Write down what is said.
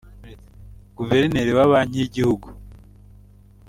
Guverineri wa Banki y’Igihugu